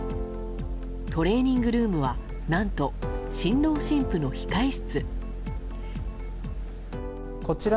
トレーニングルームは何と、新郎新婦の控え室。